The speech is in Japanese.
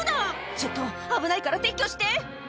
ちょっと危ないから撤去して。